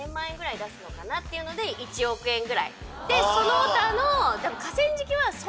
その他の。